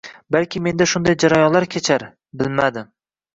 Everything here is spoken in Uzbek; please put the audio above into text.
Balki menda shunday jarayon kechar, bilmadim